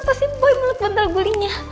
pasti boy meluk bantal gulingnya